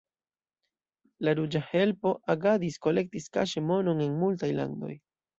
La Ruĝa Helpo agadis, kolektis kaŝe monon en multaj landoj.